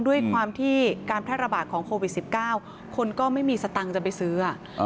ด้วยความที่การทะระบาดของโควิดสิบเก้าคนก็ไม่มีสตังค์จะไปซื้ออ่ะ